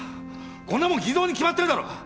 こんなもん偽造に決まってるだろうが！